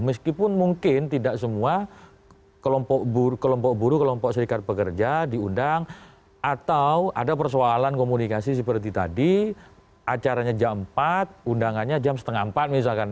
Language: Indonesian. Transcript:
meskipun mungkin tidak semua kelompok buruh kelompok serikat pekerja diundang atau ada persoalan komunikasi seperti tadi acaranya jam empat undangannya jam setengah empat misalkan